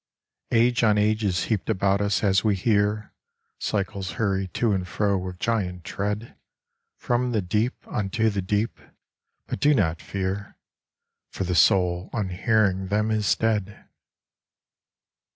Age on age is heaped about us as we hear : Cycles hurry to and fro with giant tread From the deep unto the deep : but do not fear> For the soul unhearing them is dead.